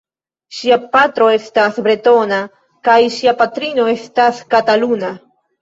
Ŝia patro estas bretona kaj ŝia patrino estas kataluna.